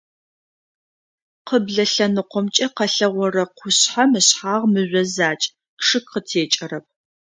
Къыблэ лъэныкъомкӏэ къэлъэгъорэ къушъхьэм ышъхьагъ мыжъо закӏ, чъыг къытекӏэрэп.